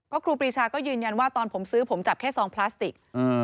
ครูปรีชาก็ยืนยันว่าตอนผมซื้อผมจับแค่ซองพลาสติก